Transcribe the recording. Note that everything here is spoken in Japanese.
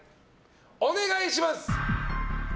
お願いします！